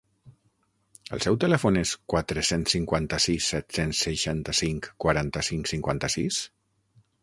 El seu telèfon és quatre-cents cinquanta-sis set-cents seixanta-cinc quaranta-cinc cinquanta-sis?